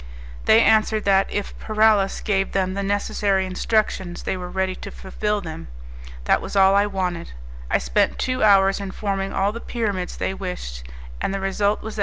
They answered that, if Paralis gave them the necessary instructions, they were ready to fulfil them. That was all I wanted. I spent two hours in forming all the pyramids they wished, and the result was that M.